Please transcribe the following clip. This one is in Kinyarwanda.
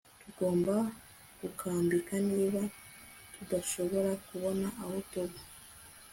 tugomba gukambika niba tudashobora kubona aho tuba